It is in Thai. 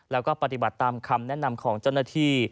แล้วก็ปฏิบัติตามคำแนะนำของเจ้าหน้าที่